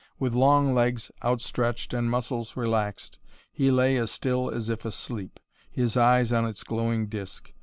With long legs outstretched and muscles relaxed, he lay as still as if asleep, his eyes on its glowing disk.